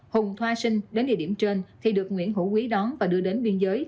hùng thoa sinh đến địa điểm trên thì được nguyễn hữu quý đón và đưa đến biên giới